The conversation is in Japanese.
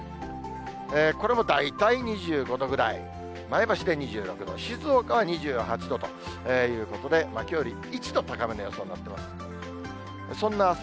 これも大体２５度ぐらい、前橋で２６度、静岡は２８度ということで、きょうより１度高めの予想になっています。